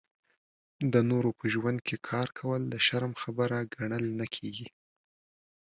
د نورو په ژوند کې کار کول د شرم خبره ګڼل نه کېږي.